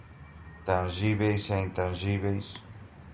tangíveis e intangíveis